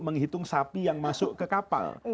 menghitung sapi yang masuk ke kapal